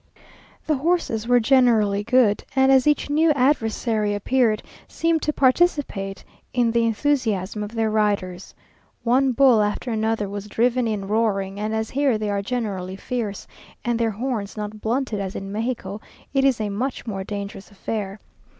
The horses were generally good, and as each new adversary appeared, seemed to participate in the enthusiasm of their riders. One bull after another was driven in roaring, and as here they are generally fierce, and their horns not blunted as in Mexico, it is a much more dangerous affair.